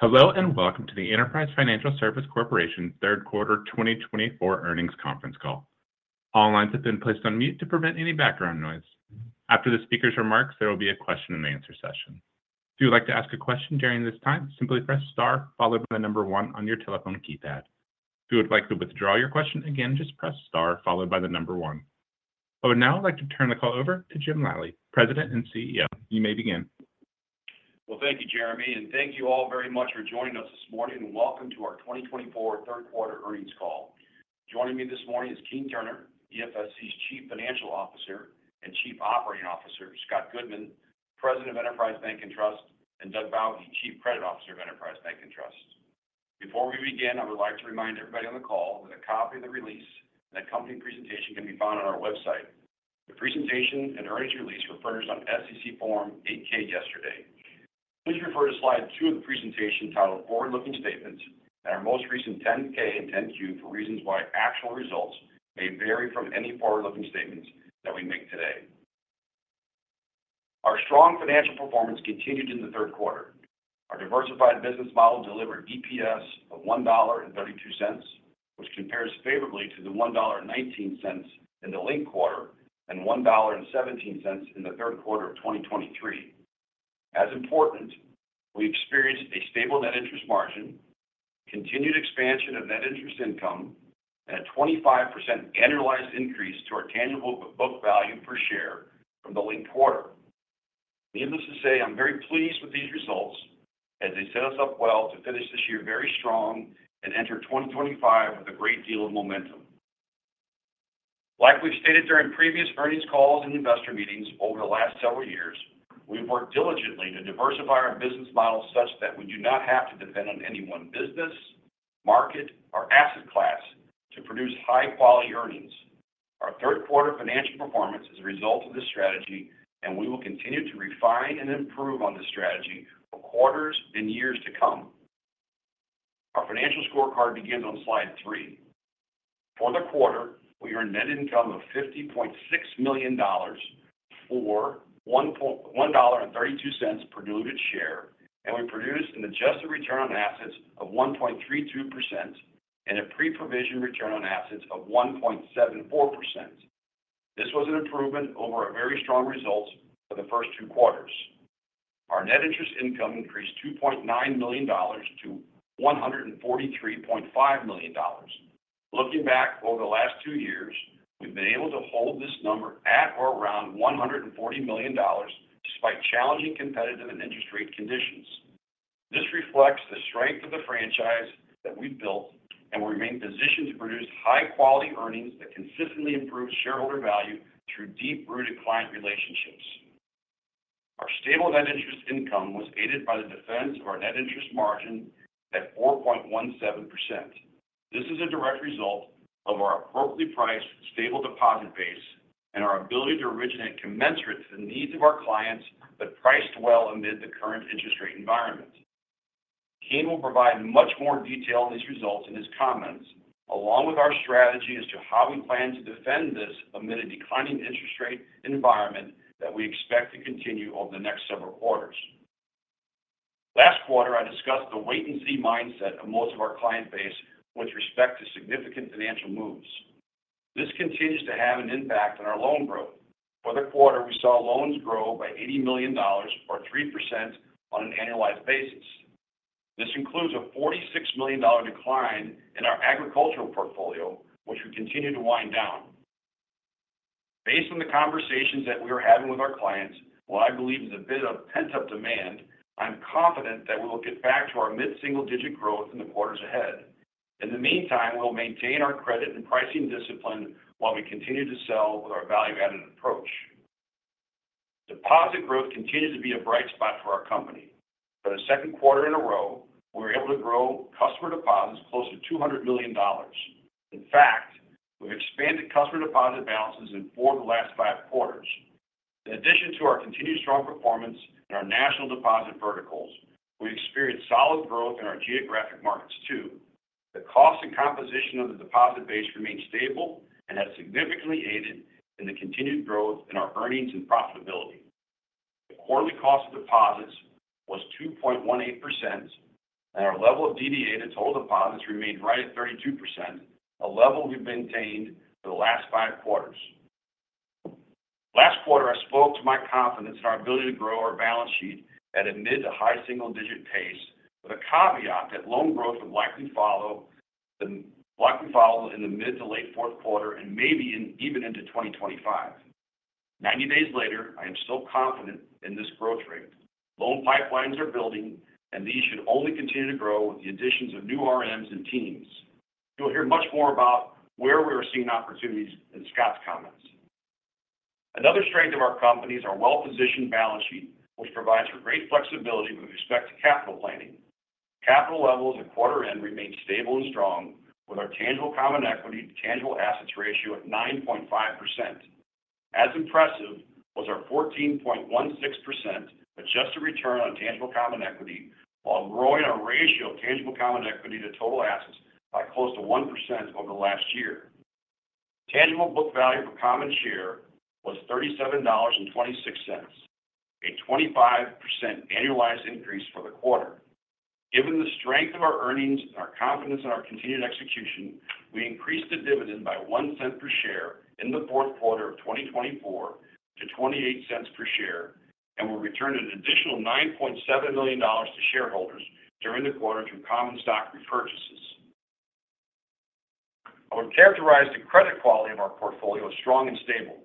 Hello, and welcome to the Enterprise Financial Services Corporation third quarter 2024 earnings conference call. All lines have been placed on mute to prevent any background noise. After the speaker's remarks, there will be a question and answer session. If you would like to ask a question during this time, simply press star followed by the number one on your telephone keypad. If you would like to withdraw your question again, just press star followed by the number one. I would now like to turn the call over to Jim Lally, President and CEO. You may begin. Thank you, Jeremy, and thank you all very much for joining us this morning, and welcome to our 2024 third quarter earnings call. Joining me this morning is Keene Turner, EFSC's Chief Financial Officer, and Chief Operating Officer, Scott Goodman, President of Enterprise Bank & Trust, and Doug Bauche, Chief Credit Officer of Enterprise Bank & Trust. Before we begin, I would like to remind everybody on the call that a copy of the release and accompanying presentation can be found on our website. The presentation and earnings release were furnished on SEC Form 8-K yesterday. Please refer to Slide 2 of the presentation titled Forward-Looking Statements and our most recent 10-K and 10-Q for reasons why actual results may vary from any forward-looking statements that we make today. Our strong financial performance continued in the third quarter. Our diversified business model delivered EPS of $1.32, which compares favorably to the $1.19 in the linked quarter and $1.17 in the third quarter of 2023. As important, we experienced a stable net interest margin, continued expansion of net interest income at a 25% annualized increase to our tangible book value per share from the linked quarter. Needless to say, I'm very pleased with these results as they set us up well to finish this year very strong and enter 2025 with a great deal of momentum. Like we've stated during previous earnings calls and investor meetings over the last several years, we've worked diligently to diversify our business model such that we do not have to depend on any one business, market, or asset class to produce high-quality earnings. Our third quarter financial performance is a result of this strategy, and we will continue to refine and improve on this strategy for quarters and years to come. Our financial scorecard begins on Slide 3. For the quarter, we earned net income of $50.6 million for $1.32 per diluted share, and we produced an adjusted return on assets of 1.32% and a pre-provision return on assets of 1.74%. This was an improvement over a very strong results for the first two quarters. Our net interest income increased $2.9 million to $143.5 million. Looking back over the last two years, we've been able to hold this number at or around $140 million despite challenging competitive and interest rate conditions. This reflects the strength of the franchise that we've built and we remain positioned to produce high-quality earnings that consistently improve shareholder value through deep-rooted client relationships. Our stable net interest income was aided by the defense of our net interest margin at 4.17%. This is a direct result of our appropriately priced, stable deposit base and our ability to originate commensurate to the needs of our clients, but priced well amid the current interest rate environment. Keene will provide much more detail on these results in his comments, along with our strategy as to how we plan to defend this amid a declining interest rate environment that we expect to continue over the next several quarters. Last quarter, I discussed the wait-and-see mindset of most of our client base with respect to significant financial moves. This continues to have an impact on our loan growth. For the quarter, we saw loans grow by $80 million or 3% on an annualized basis. This includes a $46 million decline in our agricultural portfolio, which we continue to wind down. Based on the conversations that we are having with our clients, what I believe is a bit of pent-up demand, I'm confident that we will get back to our mid-single-digit growth in the quarters ahead. In the meantime, we'll maintain our credit and pricing discipline while we continue to sell with our value-added approach. Deposit growth continues to be a bright spot for our company. For the second quarter in a row, we were able to grow customer deposits close to $200 million. In fact, we've expanded customer deposit balances in four of the last five quarters. In addition to our continued strong performance in our national deposit verticals, we experienced solid growth in our geographic markets, too. The cost and composition of the deposit base remains stable and has significantly aided in the continued growth in our earnings and profitability. The quarterly cost of deposits was 2.18%, and our level of DDA to total deposits remained right at 32%, a level we've maintained for the last five quarters. Last quarter, I spoke to my confidence in our ability to grow our balance sheet at a mid- to high-single-digit pace, with a caveat that loan growth would likely follow, likely follow in the mid- to late fourth quarter and maybe even into 2025. 90 days later, I am still confident in this growth rate. Loan pipelines are building, and these should only continue to grow with the additions of new RMs and teams. You'll hear much more about where we are seeing opportunities in Scott's comments. Another strength of our company is our well-positioned balance sheet, which provides for great flexibility with respect to capital planning. Capital levels at quarter end remain stable and strong, with our tangible common equity to tangible assets ratio at 9.5%. As impressive was our 14.16% adjusted return on tangible common equity, while growing our ratio of tangible common equity to total assets by close to 1% over the last year. Tangible book value per common share was $37.26, a 25% annualized increase for the quarter. Given the strength of our earnings and our confidence in our continued execution, we increased the dividend by $0.01 per share in the fourth quarter of 2024 to $0.28 per share, and we returned an additional $9.7 million to shareholders during the quarter through common stock repurchases. I would characterize the credit quality of our portfolio as strong and stable.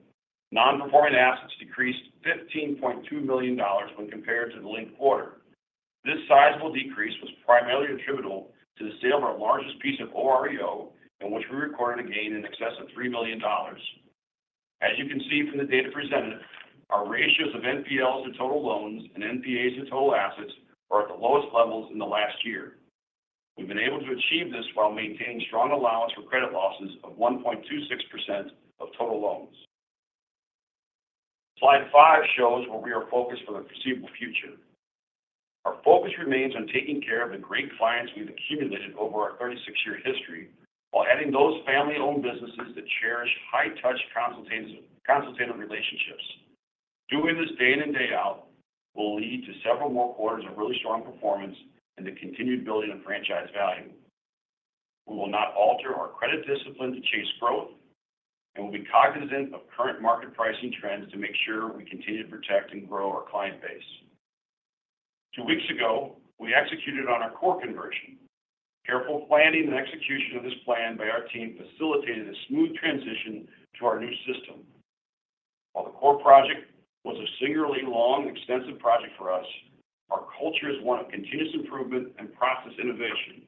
Non-performing assets decreased $15.2 million when compared to the linked quarter. This sizable decrease was primarily attributable to the sale of our largest piece of OREO, in which we recorded a gain in excess of $3 million. As you can see from the data presented, our ratios of NPLs to total loans and NPAs to total assets are at the lowest levels in the last year. We've been able to achieve this while maintaining strong allowance for credit losses of 1.26% of total loans. Slide 5 shows where we are focused for the foreseeable future. Our focus remains on taking care of the great clients we've accumulated over our 36-year history, while adding those family-owned businesses that cherish high-touch consultations, consultative relationships. Doing this day in and day out will lead to several more quarters of really strong performance and the continued building of franchise value. We will not alter our credit discipline to chase growth, and we'll be cognizant of current market pricing trends to make sure we continue to protect and grow our client base. Two weeks ago, we executed on our core conversion. Careful planning and execution of this plan by our team facilitated a smooth transition to our new system. While the core project was a singularly long, extensive project for us, our culture is one of continuous improvement and process innovation.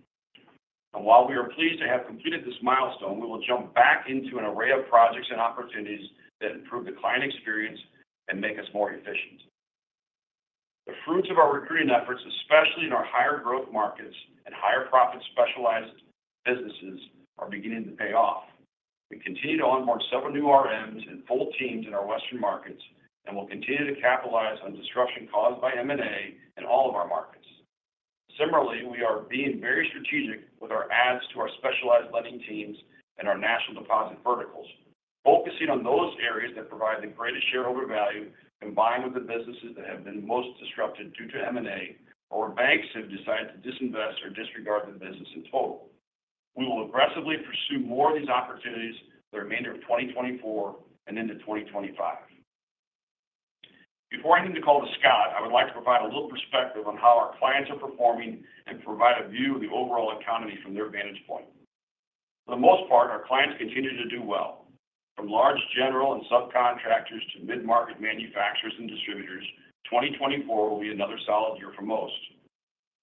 And while we are pleased to have completed this milestone, we will jump back into an array of projects and opportunities that improve the client experience and make us more efficient. The fruits of our recruiting efforts, especially in our higher growth markets and higher profit specialized businesses, are beginning to pay off. We continue to onboard several new RMs and full teams in our Western markets, and we'll continue to capitalize on disruption caused by M&A in all of our markets. Similarly, we are being very strategic with our adds to our specialized lending teams and our national deposit verticals, focusing on those areas that provide the greatest shareholder value, combined with the businesses that have been most disrupted due to M&A, or banks have decided to disinvest or disregard the business in total. We will aggressively pursue more of these opportunities for the remainder of 2024 and into 2025. Before I hand the call to Scott, I would like to provide a little perspective on how our clients are performing and provide a view of the overall economy from their vantage point. For the most part, our clients continue to do well, from large general contractors and subcontractors to mid-market manufacturers and distributors, 2024 will be another solid year for most.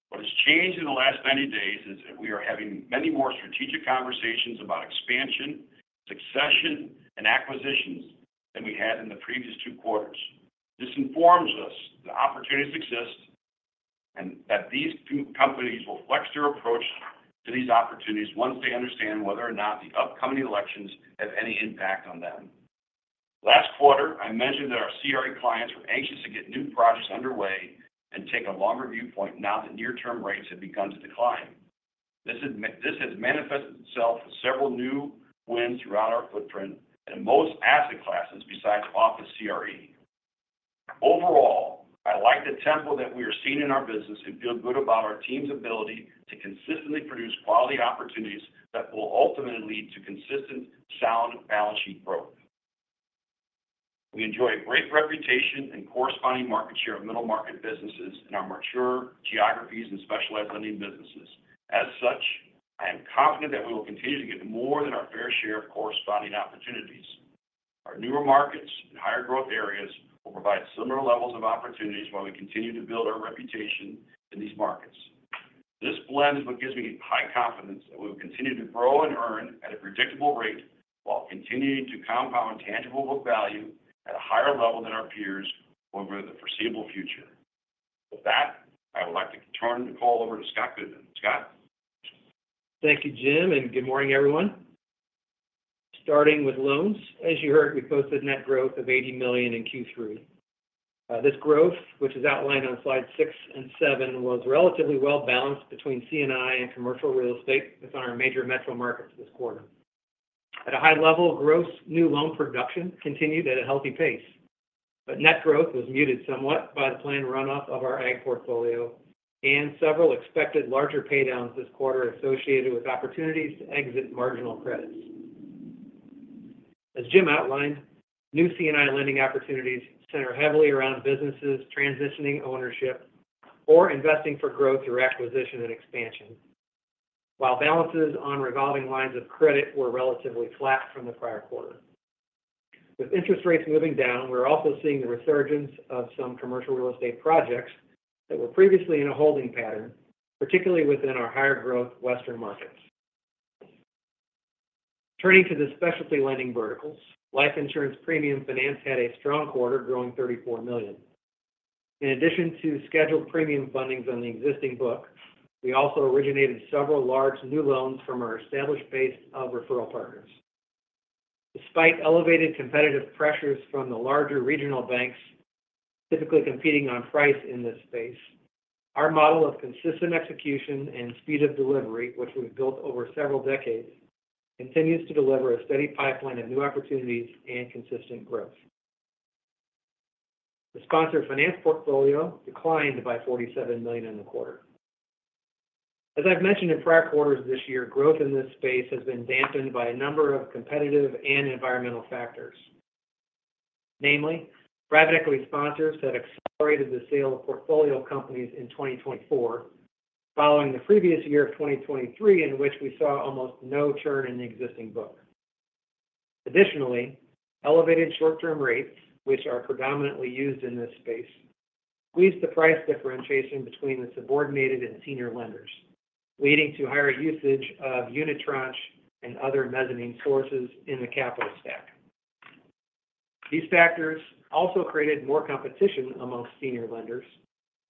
What has changed in the last ninety days is that we are having many more strategic conversations about expansion, succession, and acquisitions than we had in the previous two quarters. This informs us that opportunities exist and that these two companies will flex their approach to these opportunities once they understand whether or not the upcoming elections have any impact on them. Last quarter, I mentioned that our CRE clients were anxious to get new projects underway and take a longer viewpoint now that near-term rates have begun to decline. This has manifested itself with several new wins throughout our footprint in most asset classes besides office CRE. Overall, I like the tempo that we are seeing in our business and feel good about our team's ability to consistently produce quality opportunities that will ultimately lead to consistent, sound balance sheet growth. We enjoy a great reputation and corresponding market share of middle-market businesses in our mature geographies and specialized lending businesses. As such, I am confident that we will continue to get more than our fair share of corresponding opportunities. Our newer markets and higher growth areas will provide similar levels of opportunities while we continue to build our reputation in these markets. This blend is what gives me high confidence that we will continue to grow and earn at a predictable rate while continuing to compound tangible book value at a higher level than our peers over the foreseeable future. With that, I would like to turn the call over to Scott Goodman. Scott? Thank you, Jim, and good morning, everyone. Starting with loans, as you heard, we posted net growth of $80 million in Q3. This growth, which is outlined on Slides 6 and 7, was relatively well-balanced between C&I and commercial real estate within our major metro markets this quarter. At a high level, gross new loan production continued at a healthy pace, but net growth was muted somewhat by the planned run-off of our ag portfolio and several expected larger paydowns this quarter associated with opportunities to exit marginal credits. As Jim outlined, new C&I lending opportunities center heavily around businesses transitioning ownership or investing for growth through acquisition and expansion. While balances on revolving lines of credit were relatively flat from the prior quarter. With interest rates moving down, we're also seeing the resurgence of some commercial real estate projects that were previously in a holding pattern, particularly within our higher-growth western markets. Turning to the specialty lending verticals, life insurance premium finance had a strong quarter, growing $34 million. In addition to scheduled premium fundings on the existing book, we also originated several large new loans from our established base of referral partners. Despite elevated competitive pressures from the larger regional banks, typically competing on price in this space. Our model of consistent execution and speed of delivery, which we've built over several decades, continues to deliver a steady pipeline of new opportunities and consistent growth. The sponsored finance portfolio declined by $47 million in the quarter. As I've mentioned in prior quarters this year, growth in this space has been dampened by a number of competitive and environmental factors. Namely, private sponsors have accelerated the sale of portfolio companies in 2024, following the previous year of 2023, in which we saw almost no churn in the existing book. Additionally, elevated short-term rates, which are predominantly used in this space, squeeze the price differentiation between the subordinated and senior lenders, leading to higher usage of unitranche and other mezzanine sources in the capital stack. These factors also created more competition among senior lenders,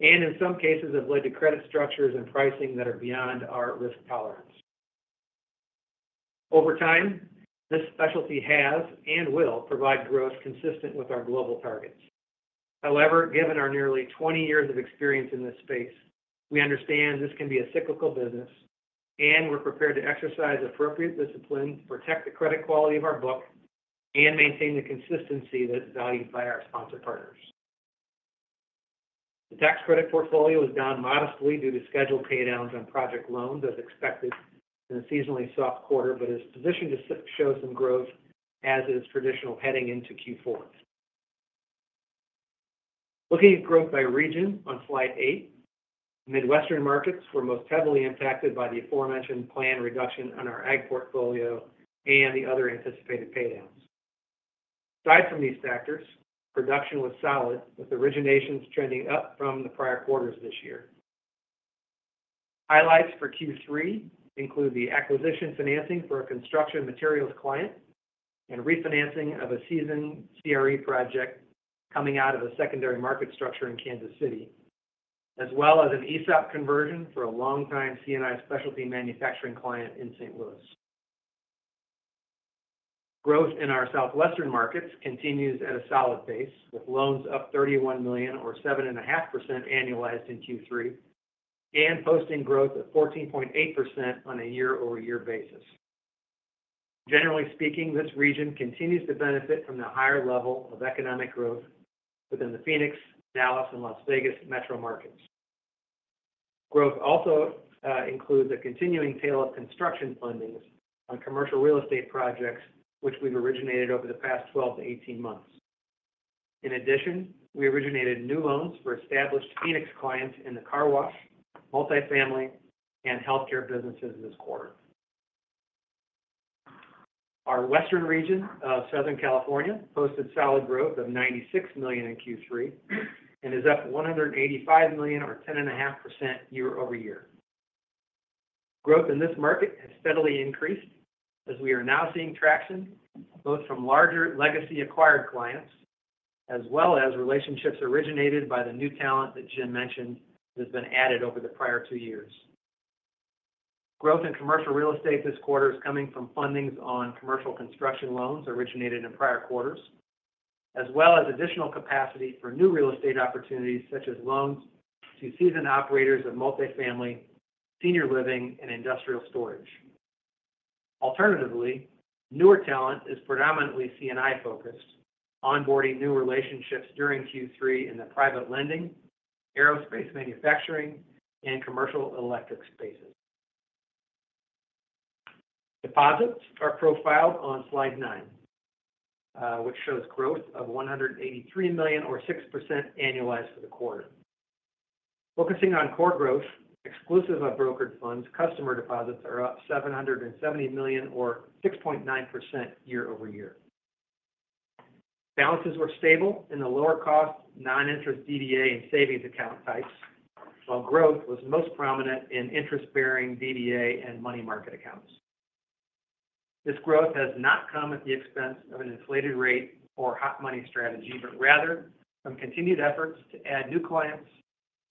and in some cases, have led to credit structures and pricing that are beyond our risk tolerance. Over time, this specialty has and will provide growth consistent with our global targets. However, given our nearly 20 years of experience in this space, we understand this can be a cyclical business, and we're prepared to exercise appropriate discipline to protect the credit quality of our book and maintain the consistency that is valued by our sponsor partners. The tax credit portfolio is down modestly due to scheduled paydowns on project loans, as expected in a seasonally soft quarter, but is positioned to show some growth as is traditional heading into Q4. Looking at growth by region on Slide 8, Midwestern markets were most heavily impacted by the aforementioned planned reduction on our ag portfolio and the other anticipated paydowns. Aside from these factors, production was solid, with originations trending up from the prior quarters this year. Highlights for Q3 include the acquisition financing for a construction materials client and refinancing of a seasoned CRE project coming out of a secondary market structure in Kansas City, as well as an ESOP conversion for a longtime C&I specialty manufacturing client in St. Louis. Growth in our Southwestern markets continues at a solid pace, with loans up $31 million or 7.5% annualized in Q3 and posting growth of 14.8% on a year-over-year basis. Generally speaking, this region continues to benefit from the higher level of economic growth within the Phoenix, Dallas, and Las Vegas metro markets. Growth also includes a continuing tail of construction fundings on commercial real estate projects, which we've originated over the past 12 to 18 months. In addition, we originated new loans for established Phoenix clients in the car wash, multifamily, and healthcare businesses this quarter. Our Western region of Southern California posted solid growth of $96 million in Q3 and is up $185 million or 10.5% year-over-year. Growth in this market has steadily increased, as we are now seeing traction, both from larger legacy acquired clients, as well as relationships originated by the new talent that Jim mentioned, that's been added over the prior two years. Growth in commercial real estate this quarter is coming from fundings on commercial construction loans originated in prior quarters, as well as additional capacity for new real estate opportunities, such as loans to seasoned operators of multifamily, senior living, and industrial storage. Alternatively, newer talent is predominantly C&I-focused, onboarding new relationships during Q3 in the private lending, aerospace manufacturing, and commercial electric spaces. Deposits are profiled on Slide 9, which shows growth of $183 million or 6% annualized for the quarter. Focusing on core growth, exclusive of brokered funds, customer deposits are up $770 million or 6.9% year-over-year. Balances were stable in the lower cost, non-interest DDA and savings account types, while growth was most prominent in interest-bearing DDA and money market accounts. This growth has not come at the expense of an inflated rate or hot money strategy, but rather from continued efforts to add new clients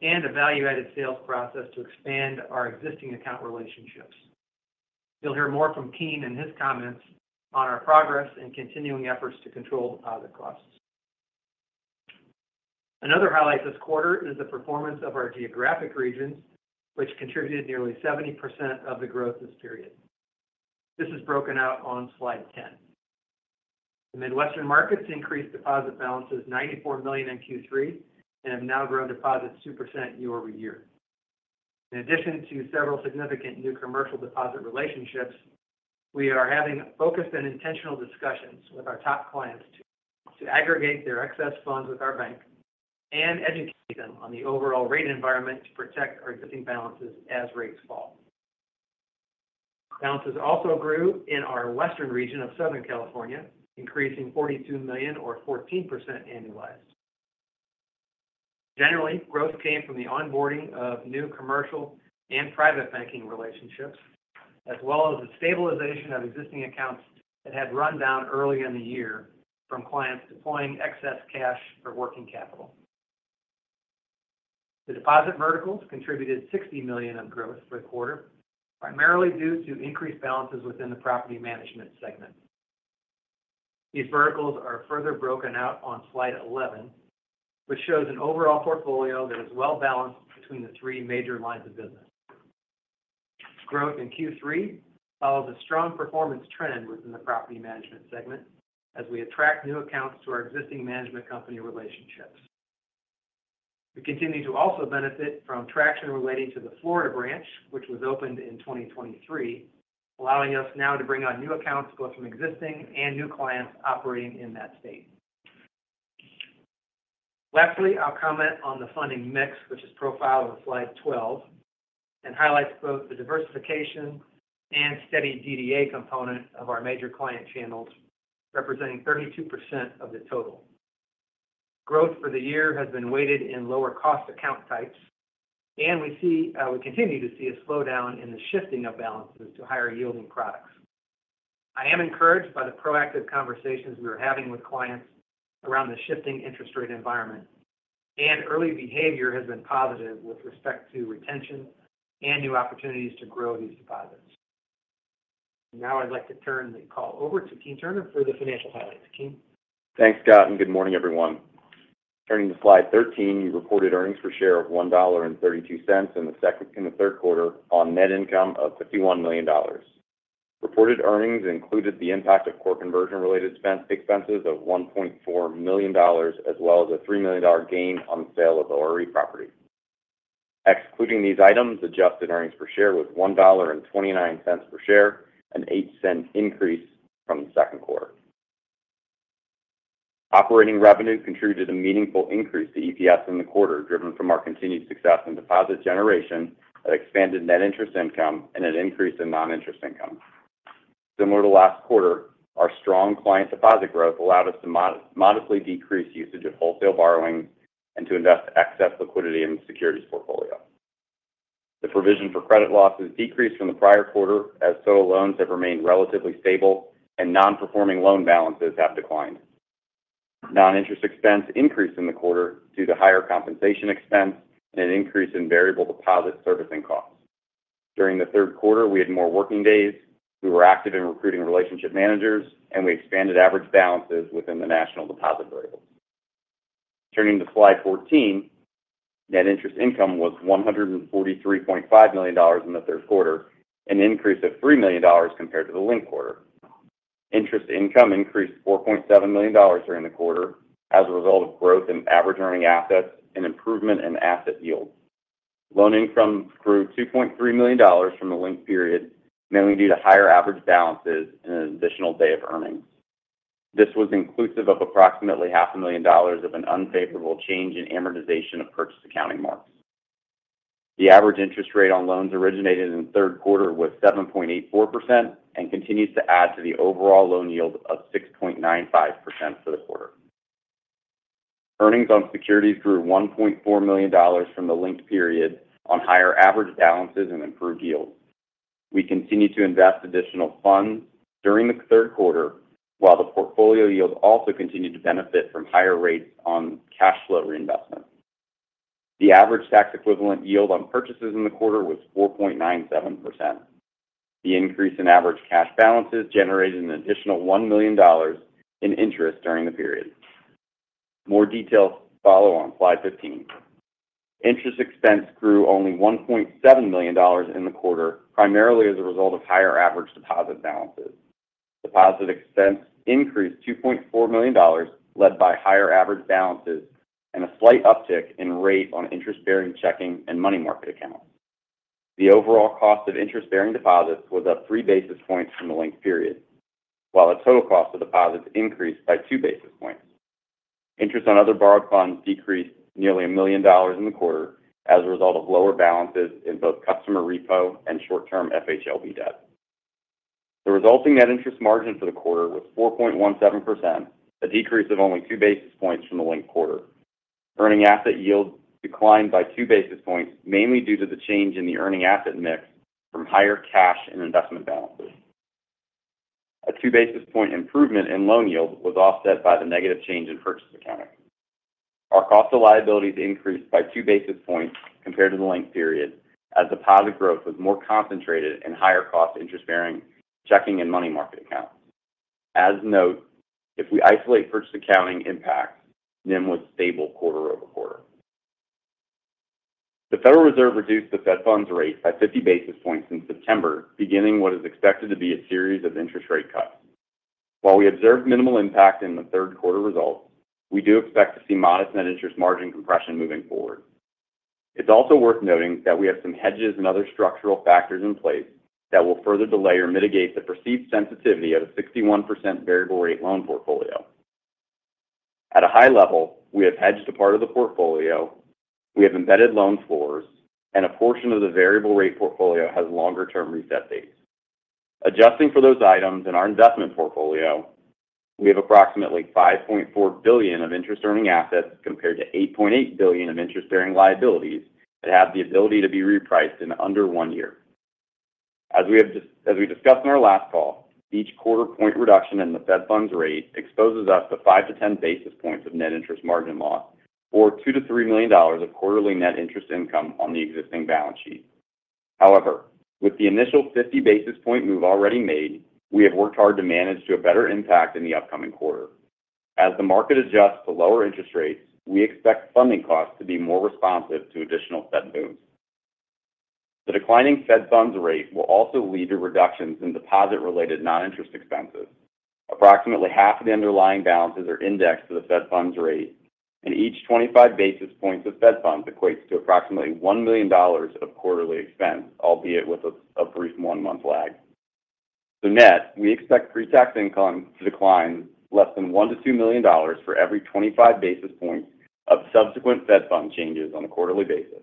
and a value-added sales process to expand our existing account relationships. You'll hear more from Keene in his comments on our progress and continuing efforts to control deposit costs. Another highlight this quarter is the performance of our geographic regions, which contributed nearly 70% of the growth this period. This is broken out on Slide 10. The Midwestern markets increased deposit balances $94 million in Q3 and have now grown deposits 2% year-over-year. In addition to several significant new commercial deposit relationships, we are having focused and intentional discussions with our top clients to aggregate their excess funds with our bank and educate them on the overall rate environment to protect our existing balances as rates fall. Balances also grew in our Western region of Southern California, increasing $42 million or 14% annualized. Generally, growth came from the onboarding of new commercial and private banking relationships, as well as the stabilization of existing accounts that had run down early in the year from clients deploying excess cash for working capital. The deposit verticals contributed $60 million of growth for the quarter, primarily due to increased balances within the property management segment. These verticals are further broken out on Slide 11, which shows an overall portfolio that is well-balanced between the three major lines of business. Growth in Q3 follows a strong performance trend within the property management segment as we attract new accounts to our existing management company relationships. We continue to also benefit from traction relating to the Florida branch, which was opened in 2023, allowing us now to bring on new accounts, both from existing and new clients operating in that state. Lastly, I'll comment on the funding mix, which is profiled on Slide 12, and highlights both the diversification and steady DDA component of our major client channels, representing 32% of the total. Growth for the year has been weighted in lower cost account types, and we see, we continue to see a slowdown in the shifting of balances to higher yielding products. I am encouraged by the proactive conversations we are having with clients around the shifting interest rate environment, and early behavior has been positive with respect to retention and new opportunities to grow these deposits. Now I'd like to turn the call over to Keene Turner for the financial highlights. Keene? Thanks, Scott, and good morning, everyone. Turning to Slide 13, we reported earnings per share of $1.32 in the second and the third quarter on net income of $51 million. Reported earnings included the impact of core conversion-related expenses of $1.4 million, as well as a $3 million gain on the sale of OREO property. Excluding these items, adjusted earnings per share was $1.29 per share, an $0.08 increase from the second quarter. Operating revenue contributed a meaningful increase to EPS in the quarter, driven from our continued success in deposit generation, an expanded net interest income, and an increase in non-interest income. Similar to last quarter, our strong client deposit growth allowed us to modestly decrease usage of wholesale borrowing and to invest excess liquidity in the securities portfolio. The provision for credit losses decreased from the prior quarter, as total loans have remained relatively stable and non-performing loan balances have declined. Non-interest expense increased in the quarter due to higher compensation expense and an increase in variable deposit servicing costs. During the third quarter, we had more working days, we were active in recruiting relationship managers, and we expanded average balances within the national deposit verticals. Turning to Slide 14, net interest income was $143.5 million in the third quarter, an increase of $3 million compared to the linked quarter. Interest income increased $4.7 million during the quarter as a result of growth in average earning assets and improvement in asset yields. Loan income grew $2.3 million from the linked period, mainly due to higher average balances and an additional day of earnings. This was inclusive of approximately $500,000 of an unfavorable change in amortization of purchase accounting marks. The average interest rate on loans originated in the third quarter was 7.84% and continues to add to the overall loan yield of 6.95% for the quarter. Earnings on securities grew $1.4 million from the linked period on higher average balances and improved yields. We continued to invest additional funds during the third quarter, while the portfolio yield also continued to benefit from higher rates on cash flow reinvestment. The average tax equivalent yield on purchases in the quarter was 4.97%. The increase in average cash balances generated an additional $1 million in interest during the period. More details follow on Slide 15. Interest expense grew only $1.7 million in the quarter, primarily as a result of higher average deposit balances. Deposit expense increased $2.4 million, led by higher average balances and a slight uptick in rate on interest-bearing checking and money market accounts. The overall cost of interest-bearing deposits was up 3 basis points from the linked period, while the total cost of deposits increased by 2 basis points. Interest on other borrowed funds decreased nearly $1 million in the quarter as a result of lower balances in both customer repo and short-term FHLB debt. The resulting net interest margin for the quarter was 4.17%, a decrease of only 2 basis points from the linked quarter. Earning asset yields declined by 2 basis points, mainly due to the change in the earning asset mix from higher cash and investment balances. A 2 basis point improvement in loan yield was offset by the negative change in purchase accounting. Our cost of liabilities increased by 2 basis points compared to the linked period, as deposit growth was more concentrated in higher cost interest-bearing checking and money market accounts. As noted, if we isolate purchase accounting impacts, NIM was stable quarter-over-quarter. The Federal Reserve reduced the Fed Funds rate by 50 basis points in September, beginning what is expected to be a series of interest rate cuts. While we observed minimal impact in the third quarter results, we do expect to see modest net interest margin compression moving forward. It's also worth noting that we have some hedges and other structural factors in place that will further delay or mitigate the perceived sensitivity of a 61% variable rate loan portfolio. At a high level, we have hedged a part of the portfolio, we have embedded loan floors, and a portion of the variable rate portfolio has longer-term reset dates. Adjusting for those items in our investment portfolio, we have approximately $5.4 billion of interest-earning assets compared to $8.8 billion of interest-bearing liabilities that have the ability to be repriced in under one year. As we discussed in our last call, each quarter point reduction in the Fed Funds rate exposes us to 5-10 basis points of net interest margin loss, or $2 million-$3 million of quarterly net interest income on the existing balance sheet. However, with the initial 50 basis point move already made, we have worked hard to manage to a better impact in the upcoming quarter. As the market adjusts to lower interest rates, we expect funding costs to be more responsive to additional Fed moves. The declining Fed Funds rate will also lead to reductions in deposit-related non-interest expenses. Approximately half of the underlying balances are indexed to the Fed Funds rate, and each 25 basis points of Fed Funds equates to approximately $1 million of quarterly expense, albeit with a brief one-month lag. So net, we expect pre-tax income to decline less than $1 million-$2 million for every 25 basis points of subsequent Fed Funds changes on a quarterly basis.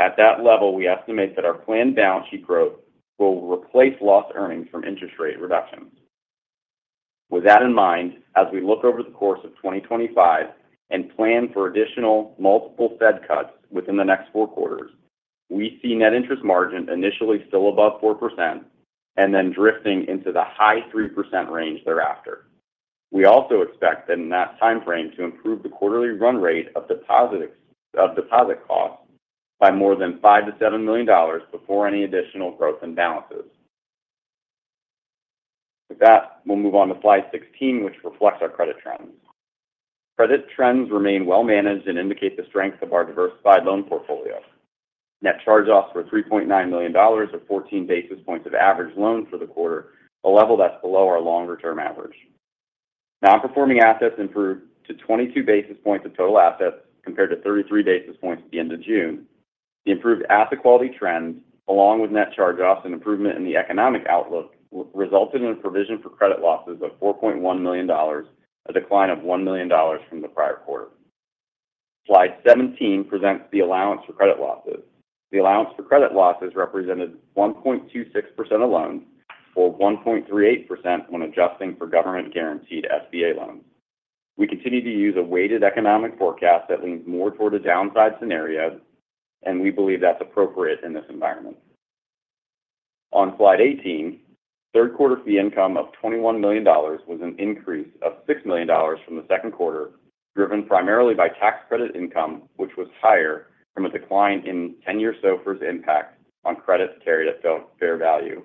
At that level, we estimate that our planned balance sheet growth will replace lost earnings from interest rate reductions. With that in mind, as we look over the course of 2025 and plan for additional multiple Fed cuts within the next four quarters, we see net interest margin initially still above 4% and then drifting into the high 3% range thereafter. We also expect that in that timeframe to improve the quarterly run rate of deposit costs by more than $5 million-$7 million before any additional growth and balances. With that, we'll move on to slide 16, which reflects our credit trends. Credit trends remain well managed and indicate the strength of our diversified loan portfolio. Net charge-offs were $3.9 million, or 14 basis points of average loan for the quarter, a level that's below our longer-term average. Non-performing assets improved to 22 basis points of total assets, compared to 33 basis points at the end of June. The improved asset quality trends, along with net charge-offs and improvement in the economic outlook, resulted in a provision for credit losses of $4.1 million, a decline of $1 million from the prior quarter. Slide 17 presents the allowance for credit losses. The allowance for credit losses represented 1.26% of loans, or 1.38% when adjusting for government-guaranteed SBA loans. We continue to use a weighted economic forecast that leans more toward a downside scenario, and we believe that's appropriate in this environment. On Slide 18, third quarter fee income of $21 million was an increase of $6 million from the second quarter, driven primarily by tax credit income, which was higher from a decline in 10-year SOFR's impact on credits carried at fair value.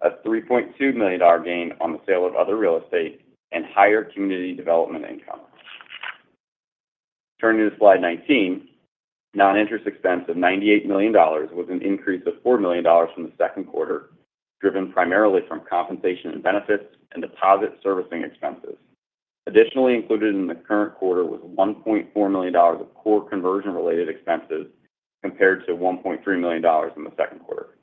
A $3.2 million gain on the sale of other real estate and higher community development income. Turning to Slide 19, non-interest expense of $98 million was an increase of $4 million from the second quarter, driven primarily from compensation and benefits and deposit servicing expenses. Additionally, included in the current quarter was $1.4 million of core conversion-related expenses, compared to $1.3 million in the second quarter.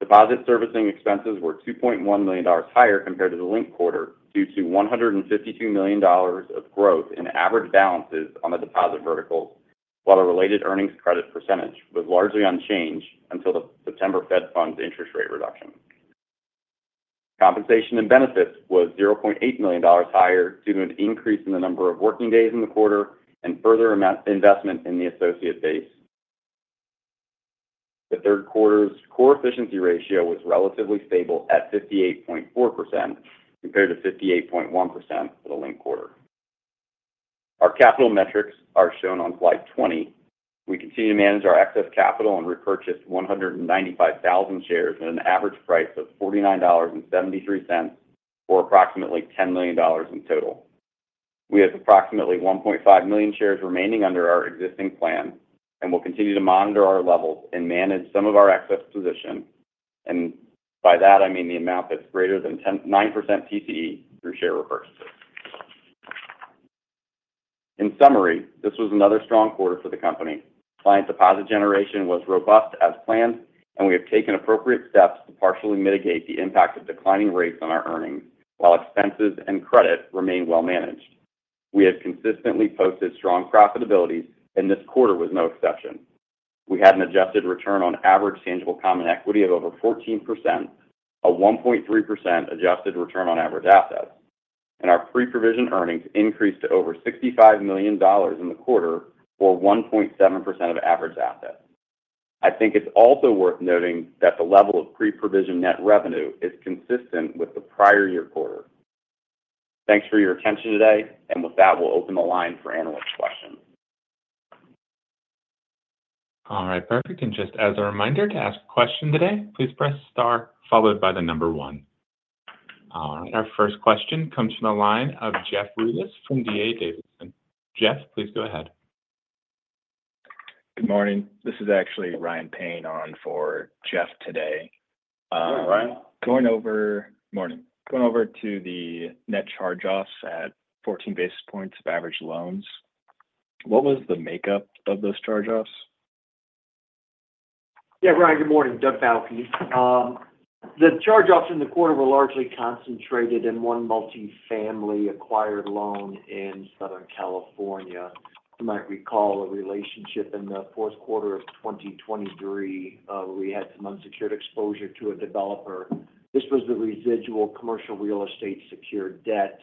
Deposit servicing expenses were $2.1 million higher compared to the linked quarter, due to $152 million of growth in average balances on the deposit vertical, while the related earnings credit percentage was largely unchanged until the September Fed Funds interest rate reduction. Compensation and benefits was $0.8 million higher due to an increase in the number of working days in the quarter and further investment in the associate base. The third quarter's core efficiency ratio was relatively stable at 58.4%, compared to 58.1% for the linked quarter. Our capital metrics are shown on Slide 20. We continue to manage our excess capital and repurchased 195,000 shares at an average price of $49.73, for approximately $10 million in total. We have approximately 1.5 million shares remaining under our existing plan, and we'll continue to monitor our levels and manage some of our excess position. And by that, I mean the amount that's greater than 10.9% TCE through share repurchases. In summary, this was another strong quarter for the company. Client deposit generation was robust as planned, and we have taken appropriate steps to partially mitigate the impact of declining rates on our earnings, while expenses and credit remain well managed. We have consistently posted strong profitabilities, and this quarter was no exception. We had an adjusted return on average tangible common equity of over 14%, a 1.3% adjusted return on average assets, and our pre-provision earnings increased to over $65 million in the quarter, or 1.7% of average assets. I think it's also worth noting that the level of pre-provision net revenue is consistent with the prior year quarter. Thanks for your attention today, and with that, we'll open the line for analyst questions. All right, perfect. And just as a reminder, to ask a question today, please press star followed by the number one. All right, our first question comes from the line of Jeff Rulis from D.A. Davidson. Jeff, please go ahead. Good morning. This is actually Ryan Payne on for Jeff today. Hi, Ryan. Morning. Going over to the net charge-offs at 14 basis points of average loans, what was the makeup of those charge-offs? Yeah, Ryan, good morning.. The charge-offs in the quarter were largely concentrated in one multifamily acquired loan in Southern California. You might recall a relationship in the fourth quarter of 2023, where we had some unsecured exposure to a developer. This was the residual commercial real estate secured debt--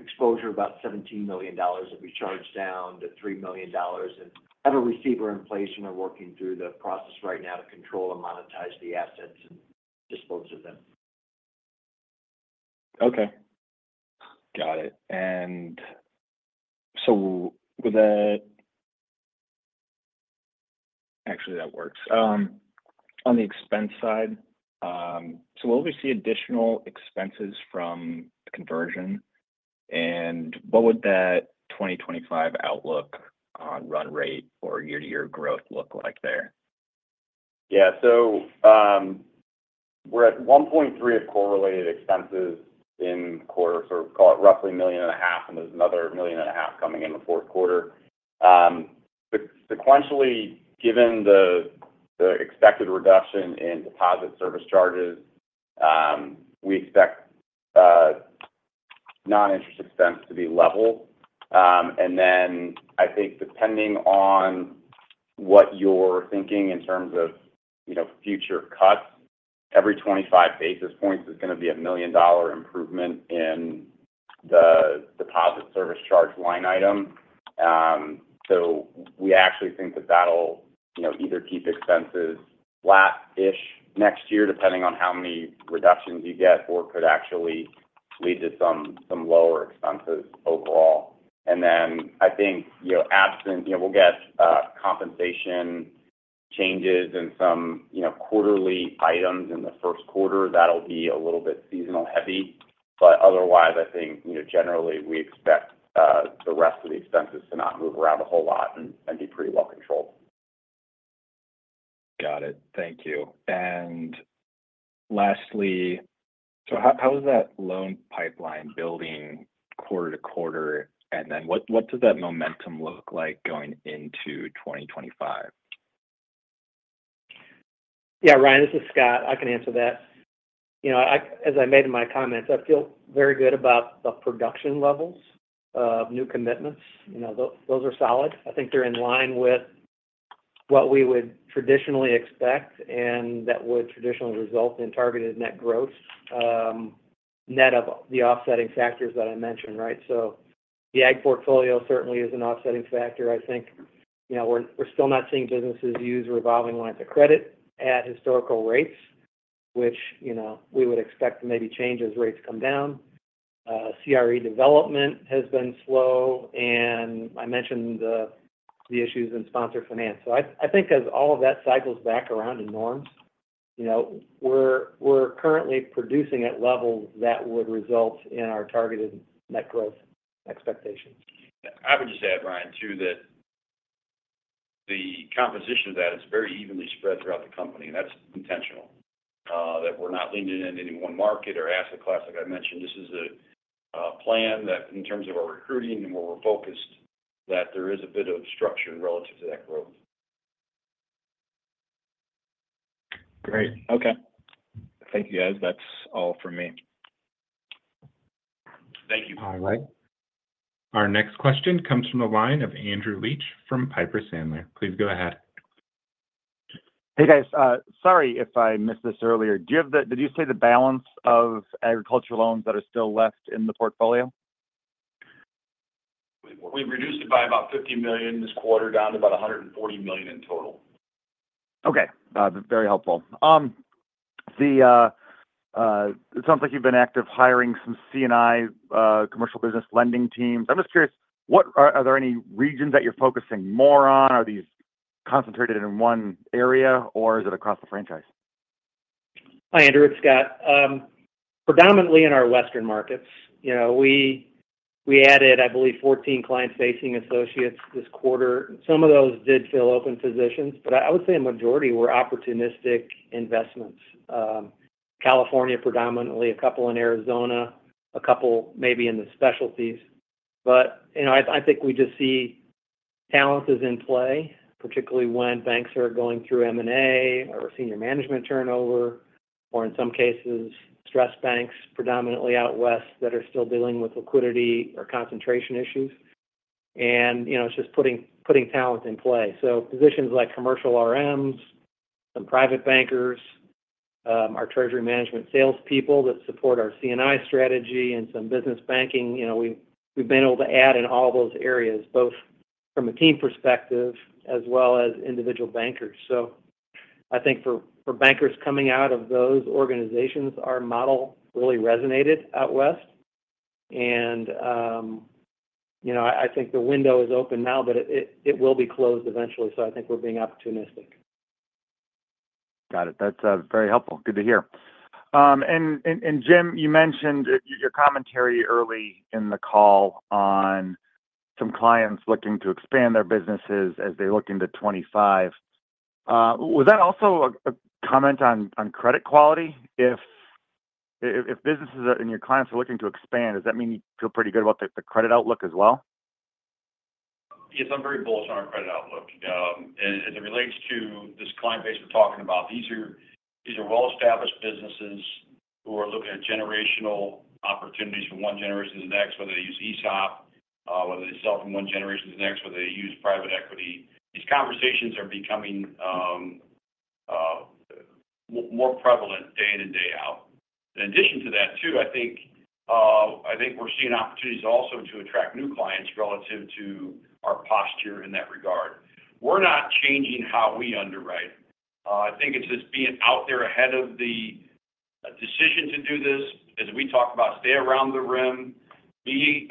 exposure about $17 million that we charged down to $3 million and have a receiver in place and are working through the process right now to control and monetize the assets and dispose of them. Okay. Got it. And so with that, actually, that works. On the expense side, so will we see additional expenses from the conversion? And what would that 2025 outlook on run rate or year-to-year growth look like there? Yeah. So, we're at 1.3 of core-related expenses in quarter, so call it roughly $1.5 million, and there's another $1.5 million coming in the fourth quarter. Sequentially, given the expected reduction in deposit service charges, we expect non-interest expense to be level. And then I think depending on what you're thinking in terms of, you know, future cuts, every 25 basis points is going to be a $1 million improvement in the deposit service charge line item. So we actually think that that'll, you know, either keep expenses flat-ish next year, depending on how many reductions you get, or could actually lead to some lower expenses overall. And then I think, you know, absent, you know, we'll get compensation changes in some, you know, quarterly items in the first quarter. That'll be a little bit seasonal heavy, but otherwise, I think, you know, generally, we expect the rest of the expenses to not move around a whole lot and be pretty well controlled. Got it. Thank you. And lastly, so how is that loan pipeline building quarter-to-quarter? And then what does that momentum look like going into 2025? Yeah, Ryan, this is Scott. I can answer that. You know, as I made in my comments, I feel very good about the production levels of new commitments. You know, those are solid. I think they're in line with what we would traditionally expect, and that would traditionally result in targeted net growth, net of the offsetting factors that I mentioned, right? So the ag portfolio certainly is an offsetting factor. I think, you know, we're, we're still not seeing businesses use revolving lines of credit at historical rates, which, you know, we would expect to maybe change as rates come down. CRE development has been slow, and I mentioned the issues in sponsor finance. So I, I think as all of that cycles back around to norms, you know, we're, we're currently producing at levels that would result in our targeted net growth expectations. I would just add, Ryan, too, that the composition of that is very evenly spread throughout the company, and that's intentional. That we're not leaning into any one market or asset class, like I mentioned. This is a plan that in terms of our recruiting and where we're focused, that there is a bit of structure relative to that growth. Great. Okay. Thank you, guys. That's all from me. Thank you. All right. Our next question comes from the line of Andrew Liesch from Piper Sandler. Please go ahead. Hey, guys. Sorry if I missed this earlier. Do you have the-- did you say the balance of agricultural loans that are still left in the portfolio? We've reduced it by about $50 million this quarter, down to about $140 million in total. Okay, very helpful. It sounds like you've been active hiring some C&I, commercial business lending teams. I'm just curious, are there any regions that you're focusing more on? Are these concentrated in one area, or is it across the franchise? Hi, Andrew. It's Scott. Predominantly in our Western markets. You know, we added, I believe, 14 client-facing associates this quarter. Some of those did fill open positions, but I would say a majority were opportunistic investments. California, predominantly, a couple in Arizona, a couple maybe in the specialties. But, you know, I think we just see talent is in play, particularly when banks are going through M&A or senior management turnover, or in some cases, stress banks, predominantly out West, that are still dealing with liquidity or concentration issues. And, you know, it's just putting talent in play. So positions like commercial RMs, some private bankers, our treasury management salespeople that support our C&I strategy, and some business banking. You know, we've been able to add in all those areas, both from a team perspective as well as individual bankers. So I think for bankers coming out of those organizations, our model really resonated out West. And, you know, I think the window is open now, but it will be closed eventually, so I think we're being opportunistic. Got it. That's very helpful. Good to hear. And Jim, you mentioned your commentary early in the call on some clients looking to expand their businesses as they look into 2025. Was that also a comment on credit quality? If businesses and your clients are looking to expand, does that mean you feel pretty good about the credit outlook as well? Yes, I'm very bullish on our credit outlook, and as it relates to this client base we're talking about, these are, these are well-established businesses who are looking at generational opportunities from one generation to the next, whether they use ESOP, whether they sell from one generation to the next, whether they use private equity. These conversations are becoming-- more prevalent day in and day out. In addition to that, too, I think we're seeing opportunities also to attract new clients relative to our posture in that regard. We're not changing how we underwrite. I think it's just being out there ahead of the decision to do this. As we talk about, stay around the rim. Be,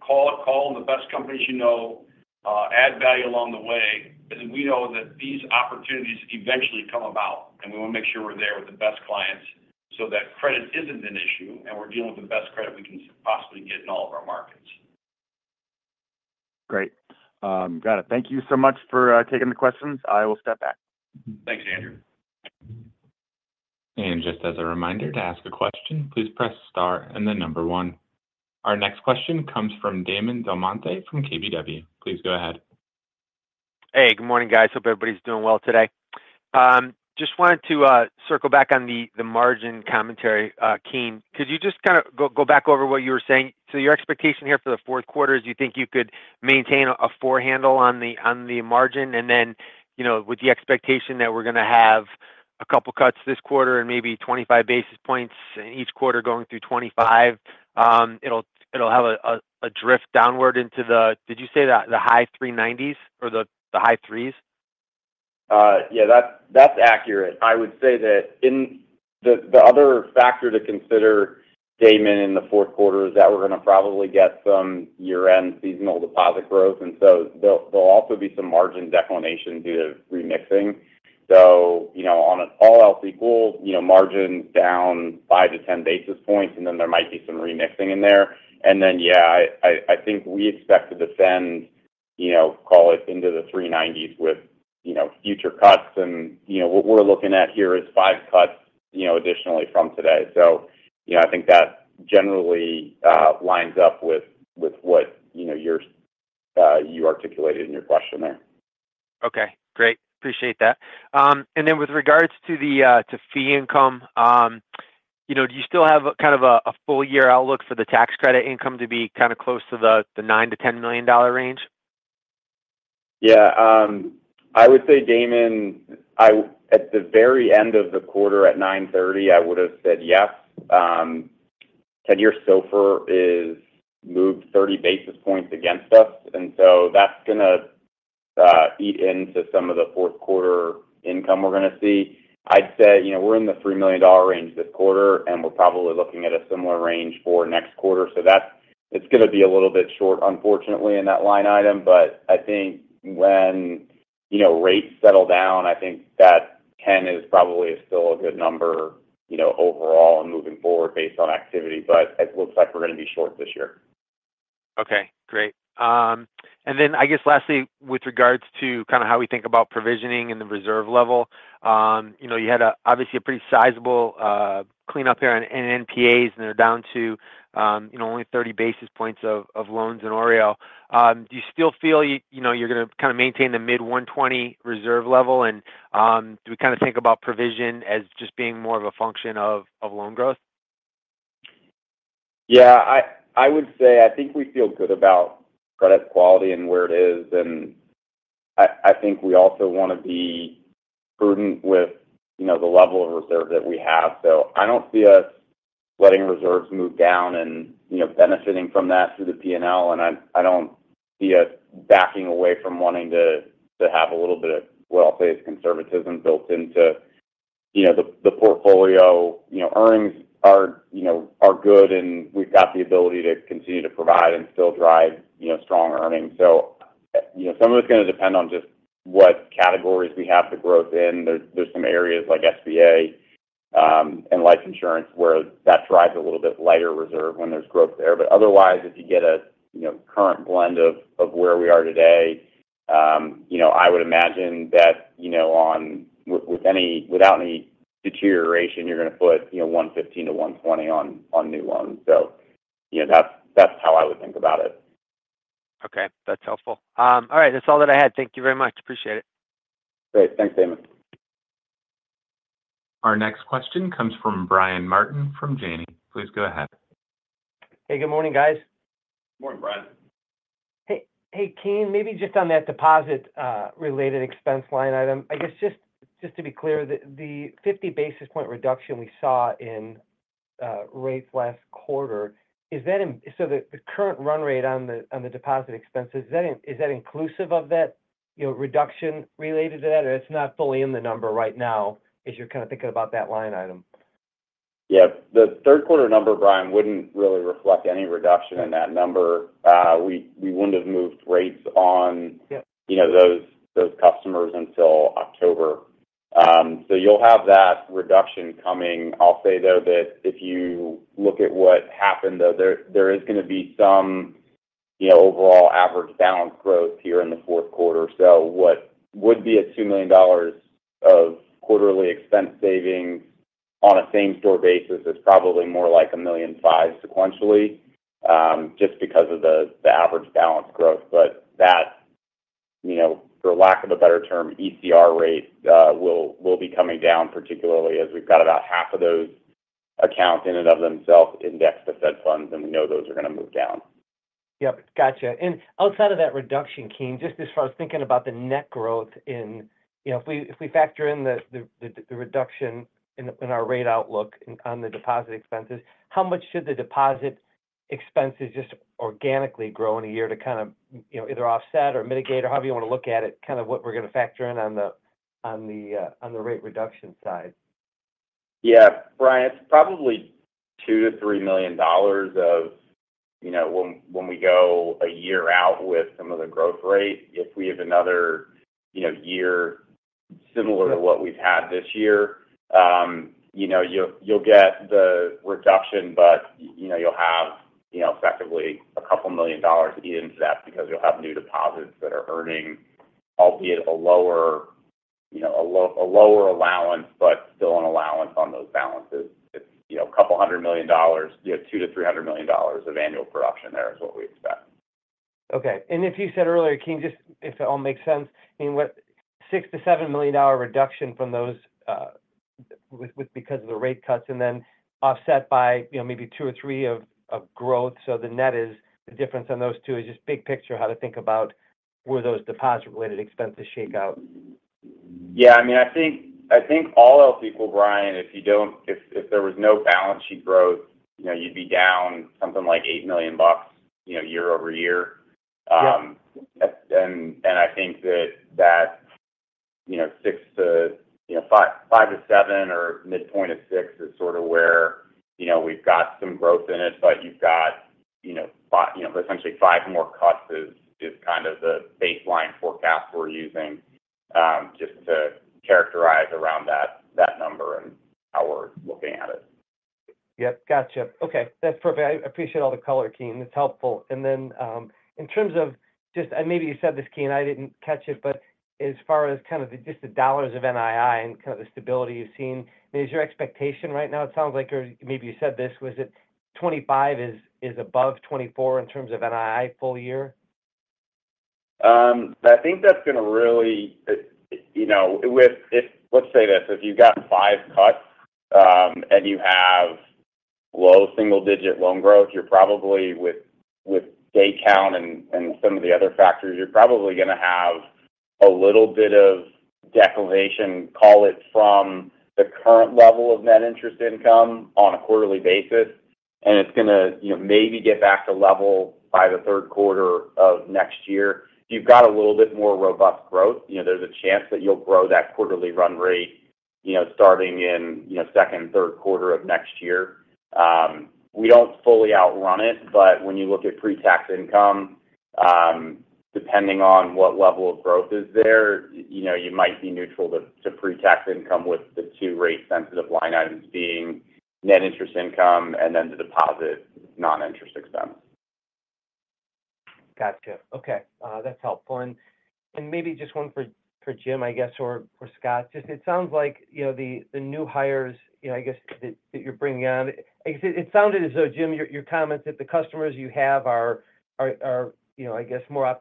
call the best companies you know, add value along the way, because we know that these opportunities eventually come about, and we want to make sure we're there with the best clients so that credit isn't an issue, and we're dealing with the best credit we can possibly get in all of our markets. Great. Got it. Thank you so much for taking the questions. I will step back. Thanks, Andrew. And just as a reminder, to ask a question, please press star and then number one. Our next question comes from Damon Delmonte from KBW. Please go ahead. Hey, good morning, guys. Hope everybody's doing well today. Just wanted to circle back on the margin commentary, Keene. Could you just kind of go back over what you were saying? So your expectation here for the fourth quarter is you think you could maintain a four handle on the margin, and then, you know, with the expectation that we're going to have a couple cuts this quarter and maybe 25 basis points in each quarter going through 2025, it'll have a drift downward into the-- did you say the high three nineties or the high threes? Yeah, that's, that's accurate. I would say that in the other factor to consider, Damon, in the fourth quarter is that we're going to probably get some year-end seasonal deposit growth, and so there'll also be some margin declination due to remixing. So, you know, on an all else equal, you know, margin down 5-10 basis points, and then there might be some remixing in there. And then, yeah, I think we expect to descend, you know, call it into the three 90s with, you know, future cuts. And, you know, what we're looking at here is five cuts, you know, additionally from today. So, you know, I think that generally lines up with what, you know, yours you articulated in your question there. Okay, great. Appreciate that. And then with regards to the fee income, you know, do you still have a kind of a full year outlook for the tax credit income to be kind of close to the $9 million-$10 million range? Yeah, I would say, Damon, at the very end of the quarter at September 30, I would have said yes. 10 year SOFR has moved 30 basis points against us, and so that's gonna eat into some of the fourth quarter income we're going to see. I'd say, you know, we're in the $3 million range this quarter, and we're probably looking at a similar range for next quarter. So it's going to be a little bit short, unfortunately, in that line item. But I think when, you know, rates settle down, I think that $10 million is probably still a good number, you know, overall and moving forward based on activity. But it looks like we're going to be short this year. Okay, great. And then I guess lastly, with regards to kind of how we think about provisioning and the reserve level, you know, you had obviously a pretty sizable cleanup here on NPA, and they're down to you know, only 30 basis points of loans in OREO. Do you still feel, you know, you're going to kind of maintain the mid 120 reserve level? And do we kind of think about provision as just being more of a function of loan growth? Yeah, I would say I think we feel good about credit quality and where it is, and I think we also want to be prudent with, you know, the level of reserve that we have. So I don't see us letting reserves move down and, you know, benefiting from that through the P&L, and I don't see us backing away from wanting to have a little bit of what I'll say is conservatism built into, you know, the portfolio. You know, earnings are, you know, good, and we've got the ability to continue to provide and still drive, you know, strong earnings. So, you know, some of it's going to depend on just what categories we have the growth in. There's some areas like SBA and life insurance, where that drives a little bit lighter reserve when there's growth there. Otherwise, if you get a you know current blend of where we are today, you know, I would imagine that you know without any deterioration, you're going to put you know 115-120 on new loans. So you know that's how I would think about it. Okay, that's helpful. All right, that's all that I had. Thank you very much. Appreciate it. Great. Thanks, Damon. Our next question comes from Brian Martin from Janney. Please go ahead. Hey, good morning, guys. Good morning, Brian. Hey, Keene, maybe just on that deposit related expense line item. I guess just to be clear, the 50 basis point reduction we saw in rates last quarter, is that in? So the current run rate on the deposit expenses, is that inclusive of that, you know, reduction related to that, or it's not fully in the number right now as you're kind of thinking about that line item? Yeah. The third quarter number, Brian, wouldn't really reflect any reduction in that number. We wouldn't have moved rates on- Yep... you know, those customers until October. So you'll have that reduction coming. I'll say, though, that if you look at what happened, though, there is going to be some, you know, overall average balance growth here in the fourth quarter. So what would be $2 million of quarterly expense savings on a same-store basis is probably more like $1.5 million sequentially, just because of the average balance growth. But that, you know, for lack of a better term, ECR rate will be coming down, particularly as we've got about half of those accounts in and of themselves indexed to Fed funds, and we know those are going to move down. Yep, gotcha. And outside of that reduction, Keene, just as far as thinking about the net growth in, you know, if we factor in the reduction in our rate outlook on the deposit expenses, how much should the deposit expenses just organically grow in a year to kind of, you know, either offset or mitigate or however you want to look at it, kind of what we're going to factor in on the rate reduction side? Yeah, Brian, it's probably $2 million-$3 million of, you know, when we go a year out with some of the growth rate. If we have another, you know, year similar to what we've had this year, you know, you'll get the reduction, but, you know, you'll have, you know, effectively a couple million dollars eat into that because you'll have new deposits that are earning, albeit a lower, you know, a lower allowance, but still an allowance on those balances. It's, you know, a couple $100 million, you know, two to three hundred million dollars of annual production there is what we expect. Okay. And if you said earlier, Keene, just if it all makes sense, I mean, what, $6 million-$7 million reduction from those, with because of the rate cuts and then offset by, you know, maybe two or three of growth. So the net is the difference on those two is just big picture, how to think about where those deposit-related expenses shake out. Yeah, I mean, I think all else equal, Brian, if there was no balance sheet growth, you know, you'd be down something like $8 million, you know, year-over-year. Yeah. And I think that, you know, six to, you know, five, five to seven or midpoint of six is sort of where, you know, we've got some growth in it, but you've got, you know, five, you know, essentially five more cuts is kind of the baseline forecast we're using, just to characterize around that number and how we're looking at it. Yep, gotcha. Okay, that's perfect. I appreciate all the color, Keene. It's helpful. And then, in terms of just, and maybe you said this, Keene, I didn't catch it, but as far as kind of the just the dollars of NII and kind of the stability you've seen, is your expectation right now, it sounds like, or maybe you said this, was it 2025 is, is above 2024 in terms of NII full year? I think that's going to really, you know, let's say this, if you've got five cuts, and you have low single-digit loan growth, you're probably with day count and some of the other factors, you're probably going to have a little bit of declination, call it, from the current level of net interest income on a quarterly basis, and it's going to, you know, maybe get back to level by the third quarter of next year. If you've got a little bit more robust growth, you know, there's a chance that you'll grow that quarterly run rate, you know, starting in, you know, second and third quarter of next year. We don't fully outrun it, but when you look at pre-tax income, depending on what level of growth is there, you know, you might be neutral to pre-tax income, with the two rate-sensitive line items being net interest income and then the deposit non-interest expense. Gotcha. Okay, that's helpful. And maybe just one for Jim, I guess, or for Scott. Just it sounds like, you know, the new hires, you know, I guess, that you're bringing on, it sounded as though, Jim, your comments that the customers you have are, you know, I guess, more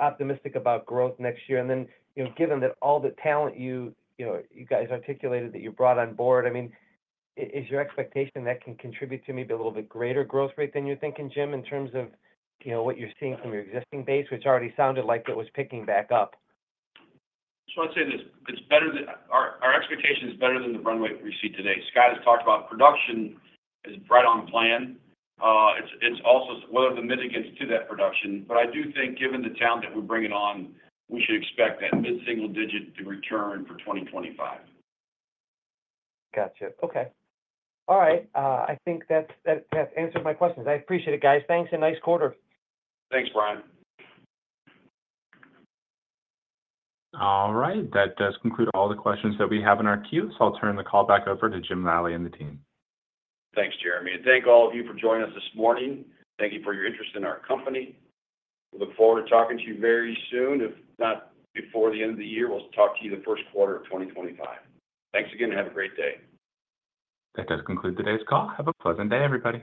optimistic about growth next year. And then, you know, given that all the talent, you know, you guys articulated that you brought on board, I mean, is your expectation that can contribute to maybe a little bit greater growth rate than you're thinking, Jim, in terms of, you know, what you're seeing from your existing base, which already sounded like it was picking back up? So I'd say this: it's better than our expectation is better than the runway we see today. Scott has talked about production is right on plan. It's also one of the mitigants to that production. But I do think given the talent that we're bringing on, we should expect that mid-single digit to return for 2025. Gotcha. Okay. All right. I think that answers my questions. I appreciate it, guys. Thanks, and nice quarter. Thanks, Brian. All right. That does conclude all the questions that we have in our queue, so I'll turn the call back over to Jim Lally and the team. Thanks, Jeremy. And thank all of you for joining us this morning. Thank you for your interest in our company. We look forward to talking to you very soon. If not before the end of the year, we'll talk to you the first quarter of 2025. Thanks again, and have a great day. That does conclude today's call. Have a pleasant day, everybody.